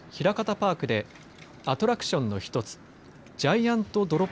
パークでアトラクションの１つジャイアントドロップ